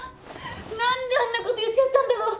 何であんなこと言っちゃったんだろう。